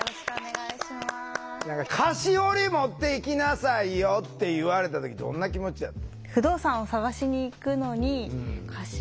「菓子折持っていきなさいよ」って言われた時どんな気持ちやった？